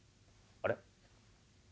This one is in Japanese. あれ？